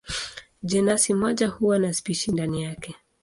Jenasi moja huwa na spishi ndani yake.